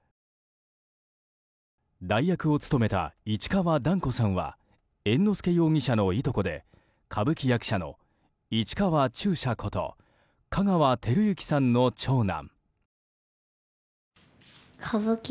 代役を務めた市川團子さんは猿之助容疑者のいとこで歌舞伎役者の市川中車こと香川照之さんの長男。